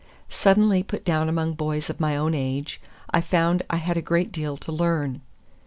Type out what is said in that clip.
Suddenly put down among boys of my own age, I found I had a great deal to learn.